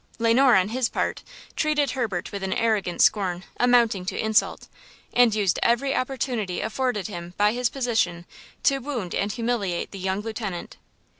Le Noir, on his part, treated Herbert with an arrogant scorn amounting to insult, and used every opportunity afforded him by his position to wound and humiliate the young lieutenant.